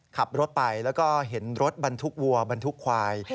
ขับรถไปแล้วก็เห็นรถบรรทุกวัวบรรทุกควาย